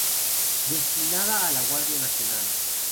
Destinada a la Guardia Nacional.